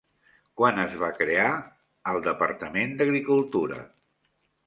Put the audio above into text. Quan es va crear el Departament d'Agricultura?